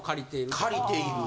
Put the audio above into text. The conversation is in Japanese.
借りている。